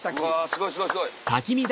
すごいすごいすごい！